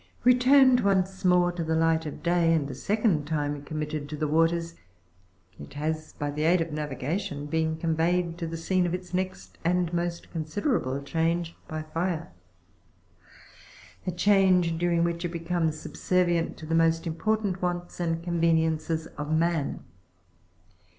Returned once more to the light of day, and a second time committed to the waters, it has, by the aid of navigation, been conveyed to the scene of its next and most considerable change by fire ; a change during which it becomes subservient to the most important wants and conveniences of man.